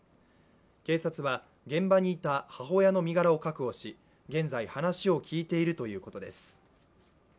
警察は現場にいた母親の身柄を確保し、現在、話を聴いているということです。